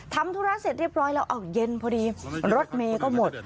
ทำธุระเสร็จเรียบร้อยแล้วเอาเย็นพอดีรถเมย์ก็หมด